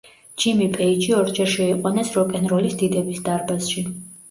ჯიმი პეიჯი ორჯერ შეიყვანეს როკ-ენ-როლის დიდების დარბაზში.